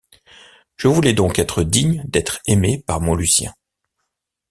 Je voulais donc être digne d’être aimée par mon Lucien.